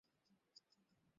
MIT, ওরা engineer.